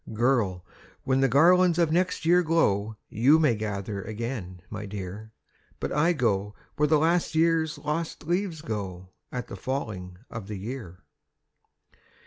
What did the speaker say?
Girl! when the garlands of next year glow, YOU may gather again, my dear But I go where the last year's lost leaves go At the falling of the year."